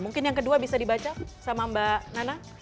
mungkin yang kedua bisa dibaca sama mbak nana